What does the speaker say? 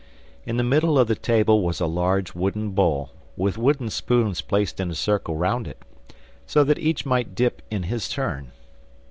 In the middle of the table was a large wooden bowl, with wooden spoons placed in a circle round it, so that each might dip in his turn.